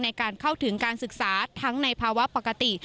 ในการเข้าถึงการศึกษาทั้งในภาวะปกติ